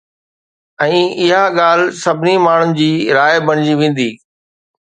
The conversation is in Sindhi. ۽ اها ڳالهه سڀني ماڻهن جي راءِ بڻجي ويندي